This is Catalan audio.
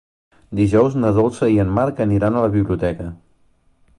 Dijous na Dolça i en Marc aniran a la biblioteca.